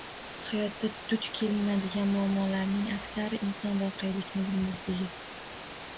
Hayotda duch kelinadigan muammolarning aksari inson voqelikni bilmasligi